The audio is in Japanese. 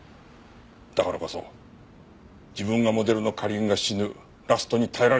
だからこそ自分がモデルの花凛が死ぬラストに耐えられなかった。